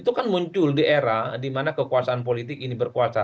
itu kan muncul di era di mana kekuasaan politik ini berkuasa